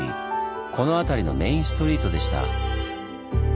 この辺りのメインストリートでした。